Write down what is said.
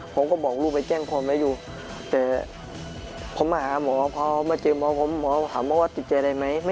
ผมก็บอกลูกไปแจ้งความไว้อยู่แต่ผมมาหาหมอพอมาเจอหมอผมหมอถามหมอว่าติดใจอะไรไหม